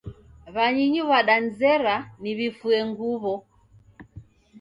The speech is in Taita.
W'anyinyu w'adanizera niw'ifuye nguw'o